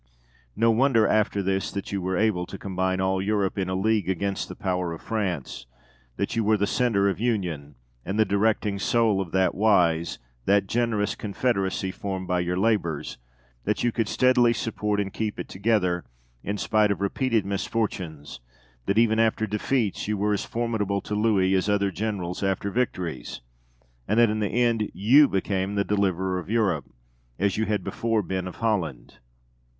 No wonder, after this, that you were able to combine all Europe in a league against the power of France; that you were the centre of union, and the directing soul of that wise, that generous confederacy formed by your labours; that you could steadily support and keep it together, in spite of repeated misfortunes; that even after defeats you were as formidable to Louis as other generals after victories; and that in the end you became the deliverer of Europe, as you had before been of Holland.